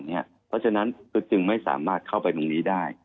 เพราะฉะนั้นก็จึงไม่สามารถเข้าไปตรงนี้ได้